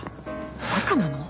バカなの？